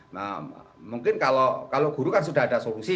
nah mungkin kalau guru kan sudah ada solusi